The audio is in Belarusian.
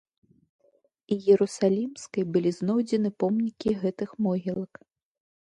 Іерусалімскай былі знойдзены помнікі гэтых могілак.